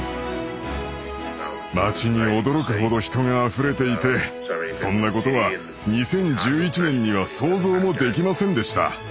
町に驚くほど人があふれていてそんなことは２０１１年には想像もできませんでした。